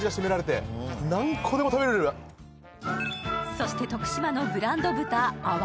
そして徳島のブランド豚・阿波